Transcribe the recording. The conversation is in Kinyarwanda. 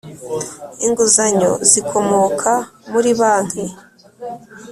Inguzanyo zikomoka mu ri banki